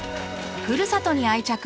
ふるさとに愛着を！